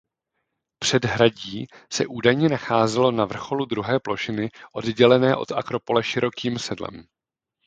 Předhradí se údajně nacházelo na vrcholu druhé plošiny oddělené od akropole širokým sedlem.